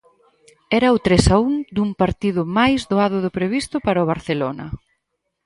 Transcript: Era o tres a un dun partido máis doado do previsto para o Barcelona.